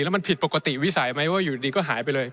แล้วมันผิดปกติวิสัยไหมว่าอยู่ดีก็หายไปเลย